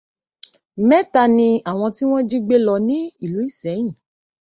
Mẹ́ta ni àwọn tí wọ́n jí gbé lọ ní ìlú ìsẹ́yìn